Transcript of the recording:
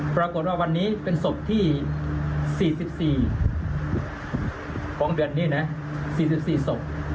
ปรากฏว่าวันนี้เป็นศพที่๔๔ของเดือนนี้นะ๔๔ศพ